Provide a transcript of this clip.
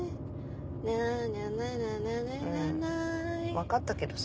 分かったけどさ。